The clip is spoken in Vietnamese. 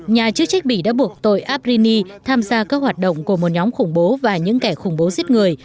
nhà chức trách bỉ đã buộc tội abrini tham gia các hoạt động của một nhóm khủng bố và những kẻ khủng bố giết người